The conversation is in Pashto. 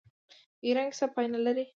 د ایران کیسه پای نلري.